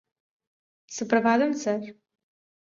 Suprabhatham sir